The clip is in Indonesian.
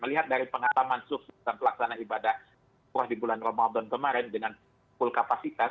melihat dari pengalaman sukses dan pelaksanaan ibadah curah di bulan ramadan kemarin dengan full kapasitas